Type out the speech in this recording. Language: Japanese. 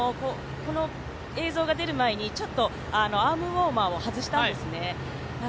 この映像が出る前にアームウォーマーを外したんですね。